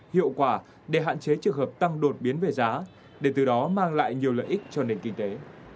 hiệu quả để hạn chế trường hợp tăng đột biến về giá để từ đó mang lại nhiều lợi ích cho nền kinh tế